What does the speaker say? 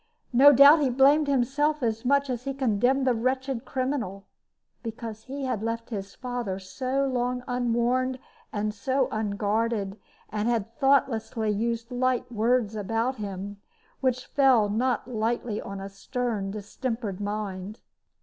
No doubt he blamed himself as much as he condemned the wretched criminal, because he had left his father so long unwarned and so unguarded, and had thoughtlessly used light words about him, which fell not lightly on a stern, distempered mind.